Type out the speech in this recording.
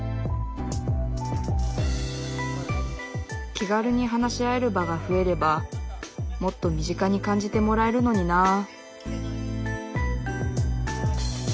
気軽に話し合える場が増えればもっと身近に感じてもらえるのになあ